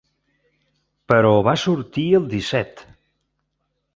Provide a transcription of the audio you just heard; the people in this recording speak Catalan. Però va sortir el disset.